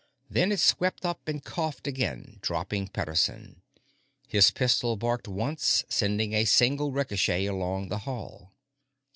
Then it swept up and coughed again, dropping Pederson. His pistol barked once, sending a singing ricochet along the hall.